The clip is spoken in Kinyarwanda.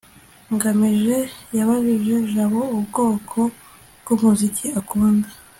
ngamije yabajije jabo ubwoko bw'umuziki akunda